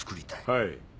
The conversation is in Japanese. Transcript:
はい。